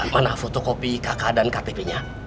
mana fotokopi kk dan ktp nya